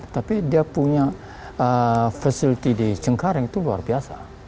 tapi dia punya facility di cengkareng itu luar biasa